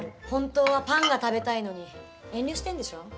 本当はパンが食べたいのに遠慮してんでしょ？